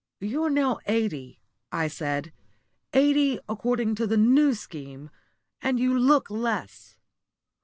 "You are now eighty," I said, "eighty, according to the New Scheme, and you look less.